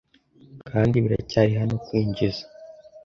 kandi biracyari hano, kwinjiza